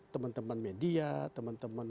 teman teman media teman teman